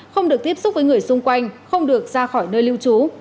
không được tiếp xúc với người xung quanh không được ra khỏi nơi lưu trú